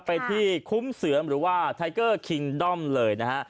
ไปที่คุ้มเสือมหรือว่าไทเกอร์คิงด้อมเลยนะฮะ